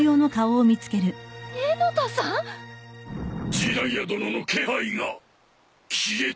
児雷也殿の気配が消えた！？